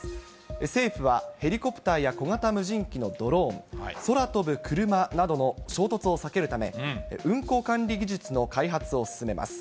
政府はヘリコプターや小型無人機のドローン、空飛ぶクルマなどの衝突を避けるため、運航管理技術の開発を進めます。